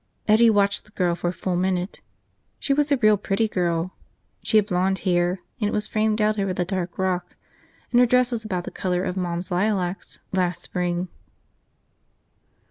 Eddie watched the girl for a full minute. She was a real pretty girl. She had blond hair and it was fanned out over the dark rock, and her dress was about the color of Mom's lilacs last spring.